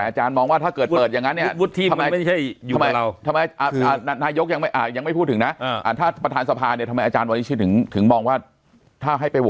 อาจารย์มองว่าถ้าเกิดเปิดอย่างนั้นเนี่ย